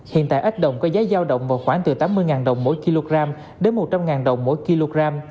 hiện tại ếch đồng có giá giao động vào khoảng từ tám mươi đồng mỗi kg đến một trăm linh đồng mỗi kg